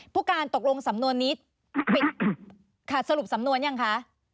ผู้การตกลงสำนวนนี้ปิดค่ะสรุปสำนวนยังคะ